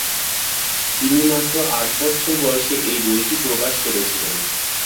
তিনি মাত্র আট বছর বয়সে এই বইটি প্রকাশ করেছিলেন।